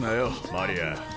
マリア。